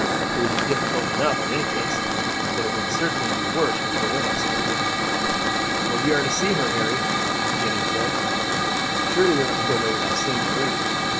It will be difficult enough in any case, but it would certainly be worse with her with us." "But we are to see her, Harry?" Jeanne said. "Surely we are not to go away without seeing Marie!"